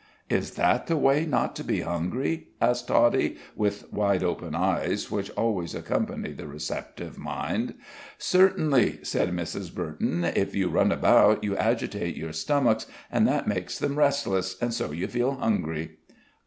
"Is that the way not to be hungry?" asked Toddie, with wide open eyes, which always accompany the receptive mind. "Certainly," said Mrs. Burton. "If you run about, you agitate your stomachs, and that makes them restless, and so you feel hungry."